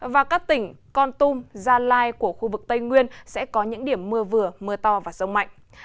và các tỉnh con tum gia lai của khu vực tây nguyên sẽ có những điểm mưa vừa mưa to và rông mạnh